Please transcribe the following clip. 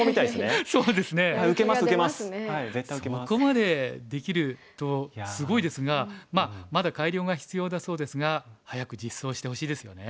そこまでできるとすごいですがまだ改良が必要だそうですが早く実装してほしいですよね。